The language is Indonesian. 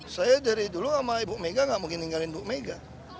saya dari dulu sama ibu mega gak mungkin ninggalin ibu mega